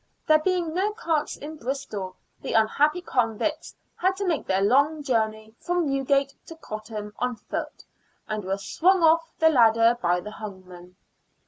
There being no carts in Bristol, the unhappy convicts had to make their long journey from Newgate to Gotham on foot, and were swung off the ladder by the hangman.